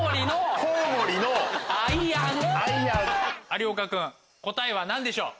有岡君答えは何でしょう？